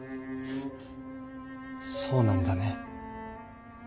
そうなんだね。